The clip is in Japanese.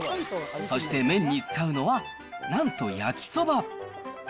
そして麺に使うのは、なんと焼きそば。